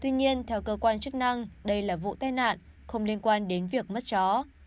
tuy nhiên theo cơ quan chức năng đây là vụ tai nạn không liên quan đến việc mất chó